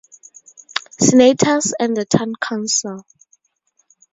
Senators, and the Town Council.